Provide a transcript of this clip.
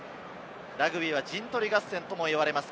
ラグビーは陣取り合戦と呼ばれます。